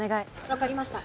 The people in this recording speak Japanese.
わかりました。